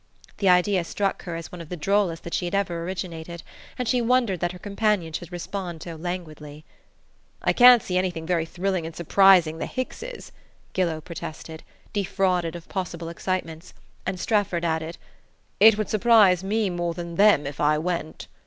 The idea struck her as one of the drollest that she had ever originated, and she wondered that her companions should respond so languidly. "I can't see anything very thrilling in surprising the Hickses," Gillow protested, defrauded of possible excitements; and Strefford added: "It would surprise me more than them if I went."